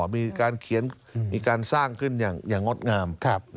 มีการเขียนมีการสร้างขึ้นอย่างงดงาม